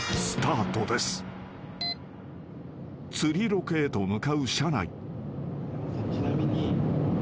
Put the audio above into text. ［釣りロケへと向かう車内］